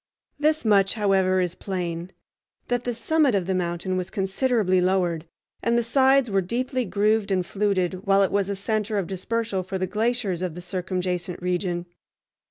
This much, however, is plain: that the summit of the mountain was considerably lowered, and the sides were deeply grooved and fluted while it was a center of dispersal for the glaciers of the circumjacent region.